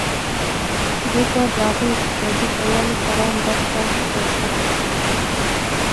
دې کار د هغوی اقتصادي ښه والی سره مرسته وکړه.